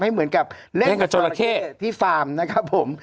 เหมือนกับเล่นกับจราเข้ที่ฟาร์มนะครับผม